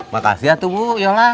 makasih ya tuh bu yola